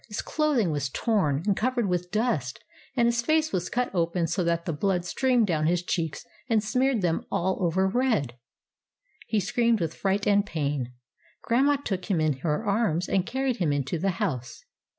His clothing was torn and covered with dust, and his face was cut open so that the blood streamed down his cheeks and smeared them all over red. He screamed with fright and pain. Grandma took him in her arms and carried him into the house.